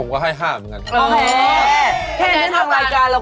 ว้าวววว